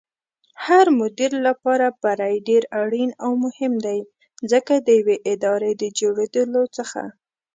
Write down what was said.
هرمدير لپاره بری ډېر اړين او مهم دی ځکه ديوې ادارې دجوړېدلو څخه